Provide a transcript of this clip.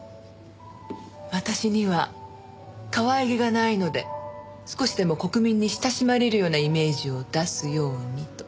私にはかわいげがないので少しでも国民に親しまれるようなイメージを出すようにと。